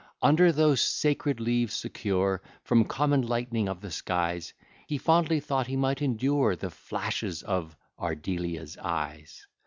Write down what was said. Under those sacred leaves, secure From common lightning of the skies, He fondly thought he might endure The flashes of Ardelia's eyes.